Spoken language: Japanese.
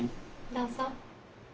どうぞ。